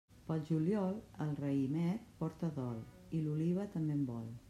Pel juliol, el raïmet porta dol i l'oliva també en vol.